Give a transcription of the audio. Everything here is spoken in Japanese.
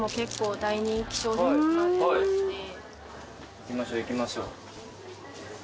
行きましょう行きましょう。